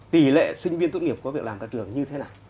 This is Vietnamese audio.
tỷ lệ sinh viên tốt nghiệp có việc làm các trường như thế nào